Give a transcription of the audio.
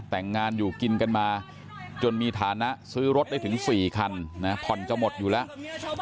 แต่งงานอยู่กินกันมาจนมีฐานะซื้อรถได้ถึง๔คันผ่อนจะหมดอยู่แล้ว